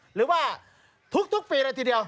หรือว่าทุกปีเลยทีเดียว